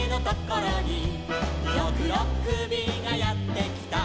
「ろくろっくびがやってきた」